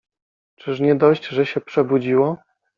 Czyż nie dość, że się przebudziło?